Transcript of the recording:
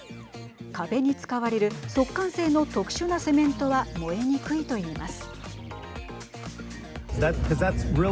壁に使われる速乾性の特殊なセメントは燃えにくいといいます。